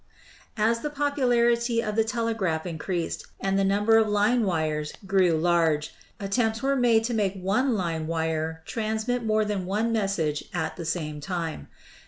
As the popularity of the telegraph increased and the number of line wires grew large, attempts were made to make one line wire transmit more than one message at the same time.